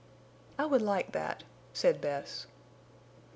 "I would like that," said Bess.